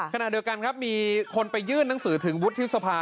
ขณะเดียวกันครับมีคนไปยื่นหนังสือถึงวุฒิสภา